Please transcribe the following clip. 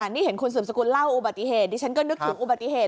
นี่เห็นคุณสืบสกุลเล่าอุบัติเหตุดิฉันก็นึกถึงอุบัติเหตุ